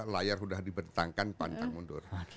layar udah dibentangkan pantang mundur